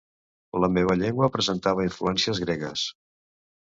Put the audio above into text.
La meva llengua presentava influències gregues.